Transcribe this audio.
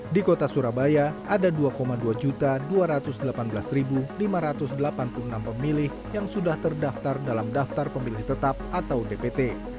di kota surabaya ada dua dua ratus delapan belas lima ratus delapan puluh enam pemilih yang sudah terdaftar dalam daftar pemilih tetap atau dpt